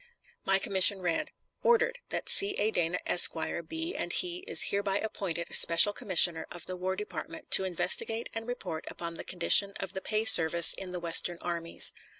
My commission read: ORDERED, That C. A. Dana, Esq., be and he is hereby appointed special commissioner of the War Department to investigate and report upon the condition of the pay service in the Western armies.